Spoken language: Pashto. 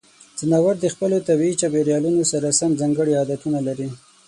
ځناور د خپلو طبیعي چاپیریالونو سره سم ځانګړې عادتونه لري.